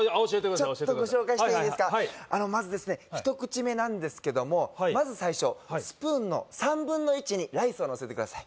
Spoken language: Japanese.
ちょっとご紹介していいですかまずですね一口目なんですけどもまず最初スプーンの３分の１にライスをのせてください